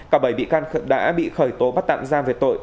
cả bảy bị can đã bị khởi tố bắt tặng ra về tội